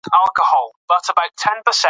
ماشوم د ونې په ډډ کې د مېږیانو لاره ولیده.